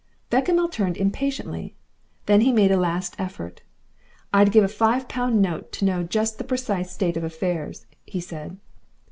Bechamel turned impatiently. Then he made a last effort. "I'd give a five pound note to know just the precise state of affairs," he said.